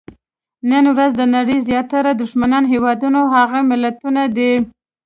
نن ورځ د نړۍ زیاتره شتمن هېوادونه هغه ملتونه دي.